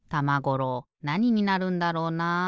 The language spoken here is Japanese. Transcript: なにになるんだろうなあ？